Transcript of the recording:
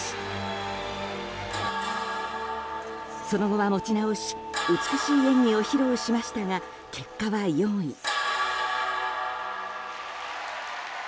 その後は持ち直し美しい演技を披露しましたが結果は４位。